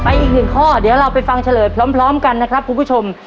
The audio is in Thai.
อีกหนึ่งข้อเดี๋ยวเราไปฟังเฉลยพร้อมกันนะครับคุณผู้ชม